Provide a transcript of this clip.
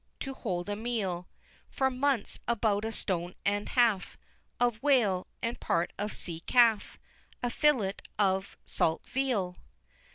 to hold a meal For months, about a stone and half Of whale, and part of a sea calf A fillet of salt veal!